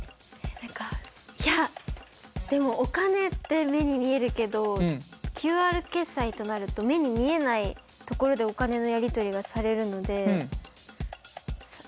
何かいやでもお金って目に見えるけどＱＲ決済となると目に見えないところでお金のやり取りがされるので「〇」？